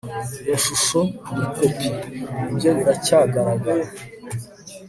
iyo shusho ni kopi. ibyo biracyagaragara